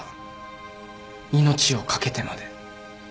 命を懸けてまで。